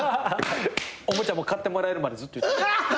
おもちゃも買ってもらえるまでずっとうわっ！